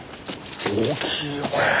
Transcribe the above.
大きいよこれ。